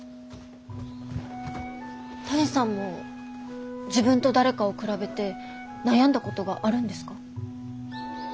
多江さんも自分と誰かを比べて悩んだことがあるんですか？